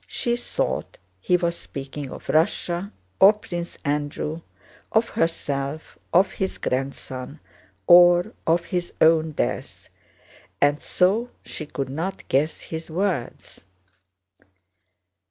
She thought he was speaking of Russia, or Prince Andrew, of herself, of his grandson, or of his own death, and so she could not guess his words.